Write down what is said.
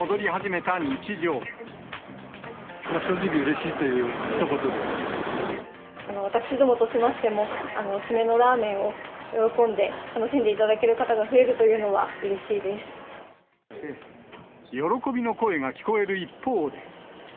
正直、私どもとしましても、締めのラーメンを喜んで楽しんでいただける方が増えるというのは喜びの声が聞こえる一方で。